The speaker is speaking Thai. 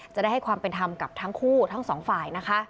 จะได้ให้ความเป็นธรรมกับทั้งคู่ทั้งสองฝ่ายนะคะ